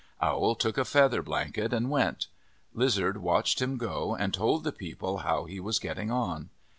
Owl took a feather blanket and went. Lizard watched him go and told the people how he was getting on.